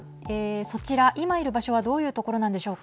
そちら、今いる場所はどういう所なんでしょうか。